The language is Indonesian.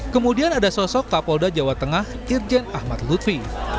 kemudian ada sosok kapolda jawa tengah irjen ahmad lutfi